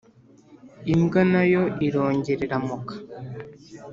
imbwa na yo irongera iramoka.